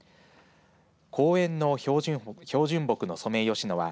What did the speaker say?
公園の標準木のソメイヨシノは